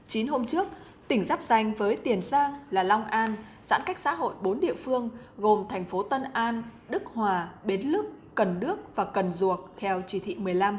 chín hôm trước tỉnh giáp danh với tiền giang là long an giãn cách xã hội bốn địa phương gồm thành phố tân an đức hòa bến lức cần đước và cần duộc theo chỉ thị một mươi năm